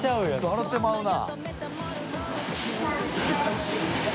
笑ってまうな。